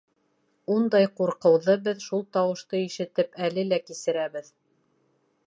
Ундай ҡурҡыуҙы беҙ, шул тауышты ишетеп, әле лә кисерәбеҙ.